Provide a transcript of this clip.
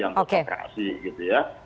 yang terkreasi gitu ya